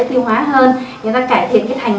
tiêu hóa hơn người ta cải thiện cái thành